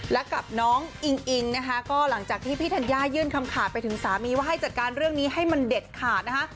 และกับน้องอิงอิงนะคะก็หลังจากที่พี่ธัญญายื่นคำขาดไปถึงสามีว่าให้จัดการเรื่องนี้ให้มันเด็ดขาดนะคะ